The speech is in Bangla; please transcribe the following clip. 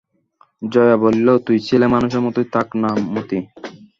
জয়া বলিল, তুই ছেলেমানুষের মতোই থাক না মতি!